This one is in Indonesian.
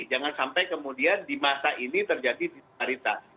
jangan sampai kemudian di masa ini terjadi disparitas